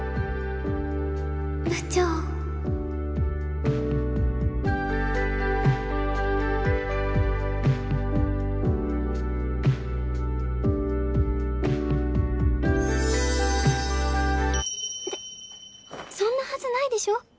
部長ってそんなはずないでしょ